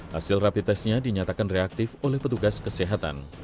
hasil rapi tesnya dinyatakan reaktif oleh petugas kesehatan